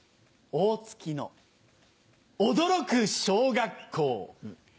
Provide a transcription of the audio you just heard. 大月の驚く小学校。